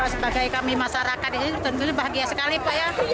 sebagai kami masyarakat ini tentunya bahagia sekali pak ya